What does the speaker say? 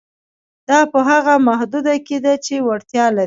دا په هغه محدوده کې ده چې وړتیا لري.